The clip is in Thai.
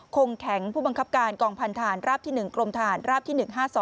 คงแข็งผู้บังคับการกองพันธานราบที่๑กรมทหารราบที่๑๕๒